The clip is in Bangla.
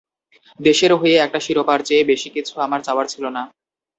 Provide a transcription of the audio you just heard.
দেশের হয়ে একটা শিরোপার চেয়ে বেশি কিছু আমার চাওয়ার ছিল না।